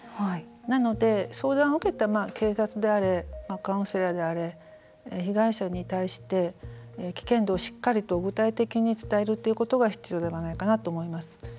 なので相談を受けて警察であれカウンセラーであれ被害者に対して危険度をしっかりと具体的に伝えることが必要ではないかなと思います。